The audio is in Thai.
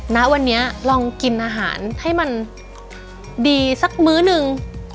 ณวันนี้ลองกินอาหารให้มันดีสักมื้อหนึ่ง